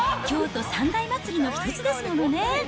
京都三大祭りの一つですもんね。